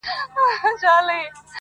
ستا تر ناز دي صدقه بلا گردان سم.!